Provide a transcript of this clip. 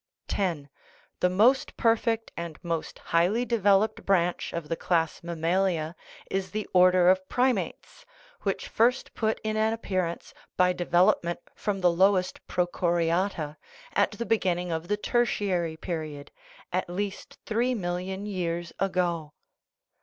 (10) The most perfect and most highly developed branch of the class mammalia is the order of primates, which first put in an appear ance, by development from the lowest prochoriata, at the beginning of the Tertiary period at least three mill ion years ago.